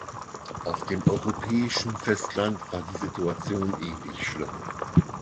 Auf dem europäischen Festland war die Situation ähnlich schlimm.